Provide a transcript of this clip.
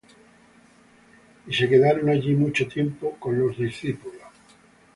Y se quedaron allí mucho tiempo con los discípulos.